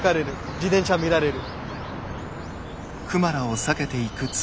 自転車見られる。